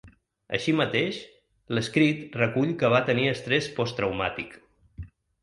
Així mateix, l’escrit recull que va tenir estrès posttraumàtic.